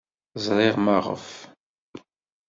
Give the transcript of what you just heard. Ẓriɣ maɣef.